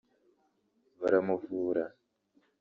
baramuvura